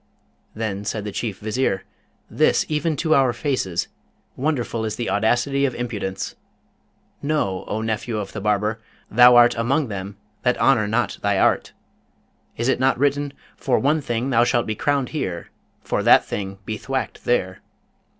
Then said the Chief Vizier, 'This even to our faces! Wonderful is the audacity of impudence! Know, O nephew of the barber, thou art among them that honour not thy art. Is it not written, For one thing thou shaft be crowned here, for that thing be thwacked there?